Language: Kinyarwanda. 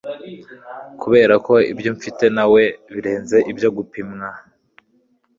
kuberako ibyo mfite nawe birenze ibyo gupimwa